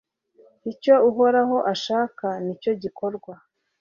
icyo uhoraho ashaka ni cyo gikorwa